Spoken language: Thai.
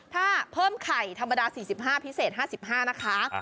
ถ้าเพิ่มไข่ธรรมดา๔๕พิเศษ๕๕นะคะ